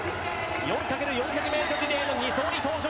４×４００ｍリレーの２走に登場。